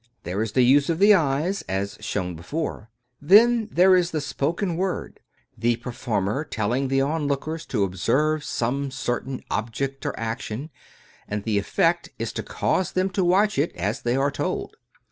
There is the use of the eyes, as before shown. Then there is the spoken word, the performer telling the on lookers to observe some certain object or action, and the effect is to cause them to watch it, as they are told.